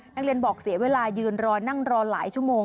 นักเรียนบอกเสียเวลายืนรอนั่งรอหลายชั่วโมง